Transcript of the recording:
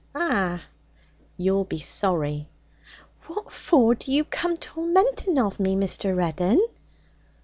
'Ah.' 'You'll be sorry.' 'What for do you come tormenting of me, Mr. Reddin?'